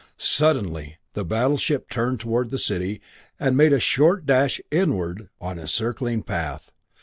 Suddenly the battleship turned toward the city and made a short dash inward on its circling path.